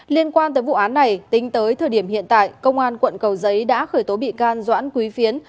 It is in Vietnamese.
liên quan tới vụ án này tính tới thời điểm hiện tại công an quận cầu giấy đã khởi tố bị can doãn quý phiến